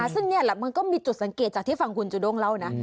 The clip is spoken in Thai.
ซึ่งนี่แหละมันก็มีจุดสังเกตจากที่ฟังคุณจูด้งเล่านะ